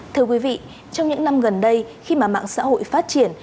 thưa quý vị trong những năm gần đây khi mà mạng xã hội phát triển